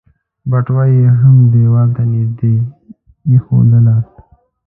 بټوه يې هم ديوال ته نږدې ايښودله.